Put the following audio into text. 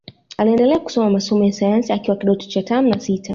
Aliendelea kusoma masomo ya sayansi akiwa kidato cha tano na sita